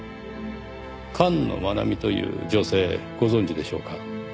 菅野茉奈美という女性ご存じでしょうか？